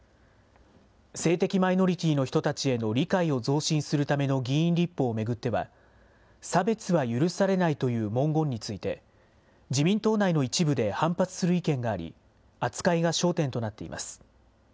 性的マイノリティーの人たちへの理解を増進するための議員立法を巡っては、差別は許されないという文言について、自民党内の一部で反発する意見があり、扱いが焦点となっています。